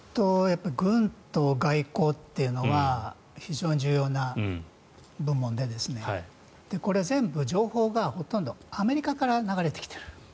軍と外交というのは非常に重要な部門でこれ、全部情報がほとんどアメリカから流れてきている。